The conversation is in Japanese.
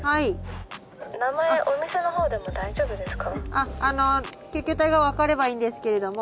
あっあの救急隊が分かればいいんですけれども。